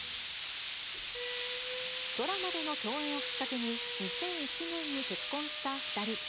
ドラマでの共演をきっかけに、２００１年に結婚した２人。